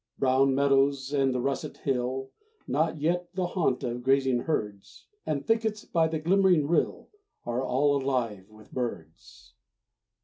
Brown meadows and the russet hill, Not yet the haunt of grazing herds, And thickets by the glimmering rill Are all alive with birds.